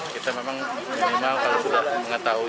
kita memang minimal kalau sudah mengetahui